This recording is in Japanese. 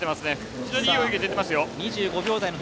非常にいい泳ぎ出てますよ。